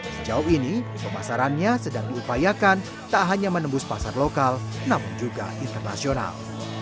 sejauh ini pemasarannya sedang diupayakan tak hanya menembus pasar lokal namun juga internasional